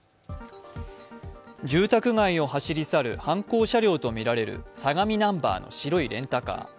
住宅街を走り去る犯行車両とみられる相模ナンバーの白いレンタカー。